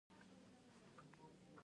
زه ښه یادښت لیکم.